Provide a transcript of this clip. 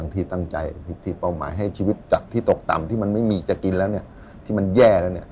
ที่ตั้งใจที่เป้าหมายให้ชีวิตจากที่ตกต่ำที่มันไม่มีจะกินแล้วที่มันแย่แล้ว